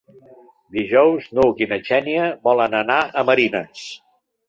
Dijous n'Hug i na Xènia volen anar a Marines.